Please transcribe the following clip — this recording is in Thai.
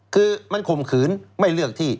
คือมันข่มขืนไม่เลือกที่